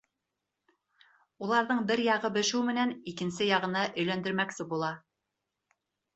Уларҙың бер яғы бешеү менән, икенсе яғына өйләндермәксе була.